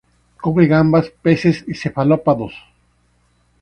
Come gambas, peces y cefalópodos.